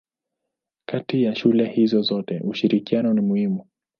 Kati ya shule hizo zote ushirikiano ni muhimu.